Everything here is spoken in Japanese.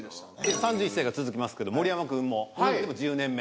３１歳が続きますけど盛山君も１０年目。